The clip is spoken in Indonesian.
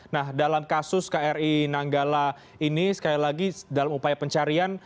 nah dalam kasus kri nanggala ini sekali lagi dalam upaya pencarian